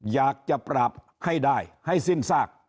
อยากจะปราบให้ได้ให้สิ้นซาก